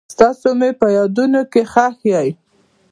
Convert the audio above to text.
تاسو مې په یادونو کې ښخ یئ.